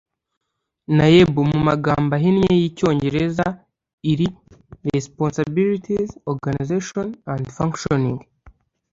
naeb mu magambo ahinnye y icyongereza iri responsibilities organisation and functioning